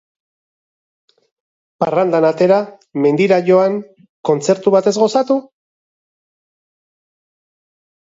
Parrandan atera, mendira joan, kontzertu batez gozatu?